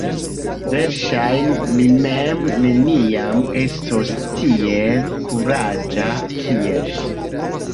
Verŝajne mi mem neniam estos tiel kuraĝa kiel ŝi.